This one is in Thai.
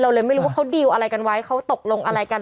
เลยไม่รู้ว่าเขาดีลอะไรกันไว้เขาตกลงอะไรกัน